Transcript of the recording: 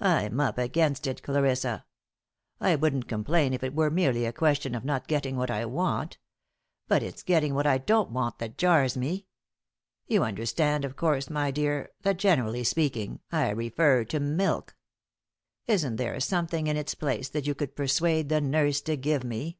I'm up against it, Clarissa. I wouldn't complain if it were merely a question of not getting what I want. But it's getting what I don't want that jars me. You understand, of course, my dear, that, generally speaking, I refer to milk. Isn't there something in its place that you could persuade the nurse to give me?